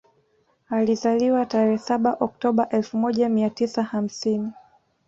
Alizaliwa tarehe saba Octoba elfu moja mia tisa hamsini